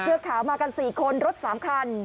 เสื้อขาวมากัน๔คนรถ๓คัน